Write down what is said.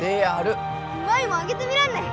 舞もあげてみらんね。